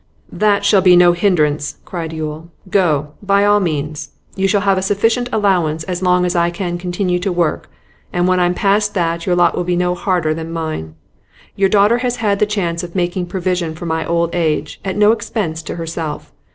'That shall be no hindrance,' cried Yule. 'Go, by all means; you shall have a sufficient allowance as long as I can continue to work, and when I'm past that, your lot will be no harder than mine. Your daughter had the chance of making provision for my old age, at no expense to herself.